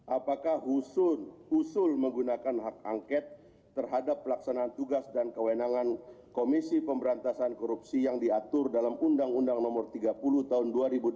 apakah usul menggunakan hak angket terhadap pelaksanaan tugas dan kewenangan komisi pemberantasan korupsi yang diatur dalam undang undang no tiga puluh tahun dua ribu dua